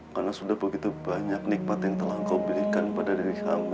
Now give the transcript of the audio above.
karena sudah begitu banyak nikmat yang telah kau berikan pada aku